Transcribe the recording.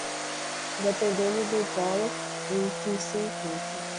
dependendo do polo em que se encontre.